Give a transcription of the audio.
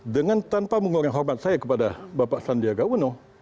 dengan tanpa mengorbankan saya kepada bapak sandiaga uno